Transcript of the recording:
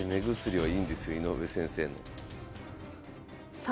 はい。